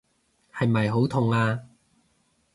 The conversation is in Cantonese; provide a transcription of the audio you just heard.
係咪好痛啊？